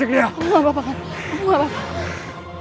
bapak jangan bapak